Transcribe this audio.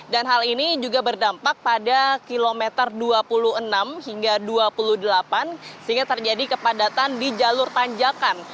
dan hal ini juga berdampak pada kilometer dua puluh enam hingga dua puluh delapan sehingga terjadi kepadatan di jalur panjakan